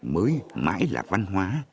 mới mãi là văn hóa